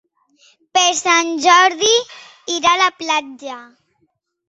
Per Sant Jordi irà a la platja.